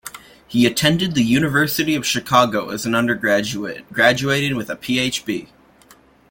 He attended the University of Chicago as an undergraduate, graduating with a Ph.B.